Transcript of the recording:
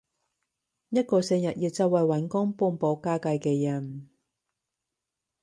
一個成日要周圍搵工幫補家計嘅人